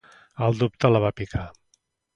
El dubte la va picar.